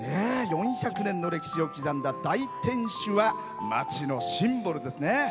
４００年の歴史を刻んだ大天守は町のシンボルですね。